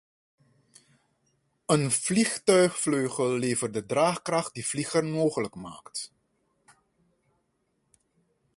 Een vliegtuigvleugel levert de draagkracht die vliegen mogelijk maakt.